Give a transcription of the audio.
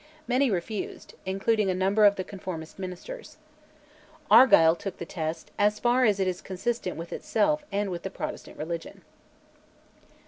Many refused, including a number of the conformist ministers. Argyll took the Test "as far as it is consistent with itself and with the Protestant religion."